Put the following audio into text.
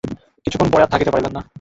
কিছুক্ষণ পরে আর থাকিতে পারিলেন না।